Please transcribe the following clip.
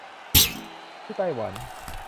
ที่ไต้หวัน